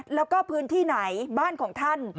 แล้วก็พื้นที่ไหนบ้านของท่าน